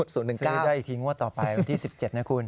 ซื้อได้อีกทีงวดต่อไปวันที่๑๗นะคุณ